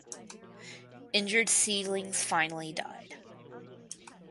Injured seedlings finally died.